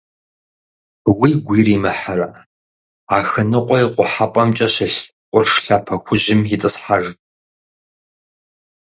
Уигу иримыхьрэ, Ахыныкъуэ и къухьэпӀэмкӀэ щылъ къурш лъапэ хужьым итӀысхьэж.